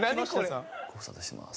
ご無沙汰してます。